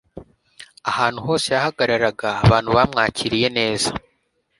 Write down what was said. ahantu hose yahagararaga, abantu bamwakiriye neza